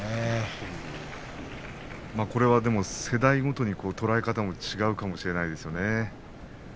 これはでも世代ごとに捉え方も違うかもしれませんよね。